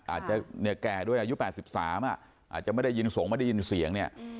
อาจจะแก่ด้วยอายุ๘๓อาจจะไม่ได้ยินส่งไม่ได้ยินเสียง